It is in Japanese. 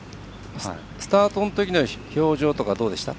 スタートのときの表情とかどうでした？